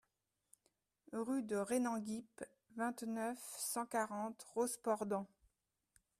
Rue de Rénanguip, vingt-neuf, cent quarante Rosporden